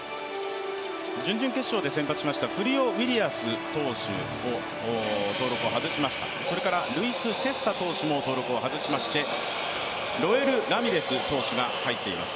準々決勝で先発しましたフリオ・ウリアス投手を登録を外しました、ルイス・セッサ投手も登録を外しましてロエル・ラミレス投手が入っています。